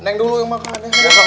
neng dulu yang makan